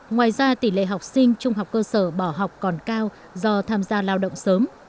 ngoài ra tỷ lệ học sinh trung học cơ sở bỏ học còn cao do tham gia lao động sớm